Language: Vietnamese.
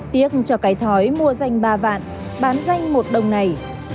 tiếc cho cái thói mua danh ba vạn bán danh một đồng này